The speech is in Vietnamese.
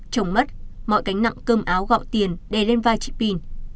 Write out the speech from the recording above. trồng mất mọi cánh nặng cơm áo gọ tiền đè lên vai chị pin